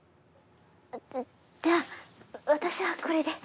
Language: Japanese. じゃあ私はこれで。